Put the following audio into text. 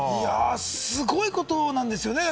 すごいことなんですよね。